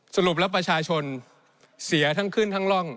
สรุปแล้วประชาชนเสียทั้งขึ้นทั้งร่อง